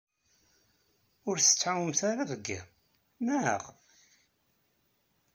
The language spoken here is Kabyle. Ur tettɛumumt ara deg yiḍ, naɣ?